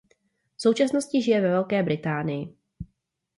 V současnosti žije ve Velké Británii.